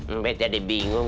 mbak jadi bingung